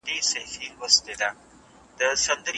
ثانیه وویل، وفادار پاتې شئ هغه څه ته چې مهم دي.